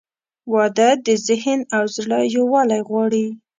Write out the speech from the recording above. • واده د ذهن او زړه یووالی غواړي.